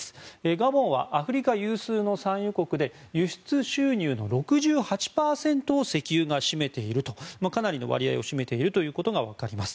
ガボンはアフリカ有数の産油国で輸出収入の６８％を石油が占めているというかなりの割合を占めていることがわかります。